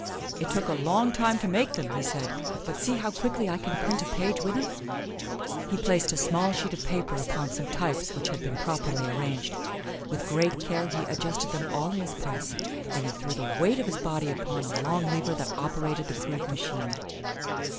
" It took a long time to make them," he said; "but see how quickly I can print a page with them." He placed a small sheet of paper upon some types which had been properly arranged. With great care he adjusted them all in his press. Then he threw the weight of his body upon a long lever that operated the crude machine.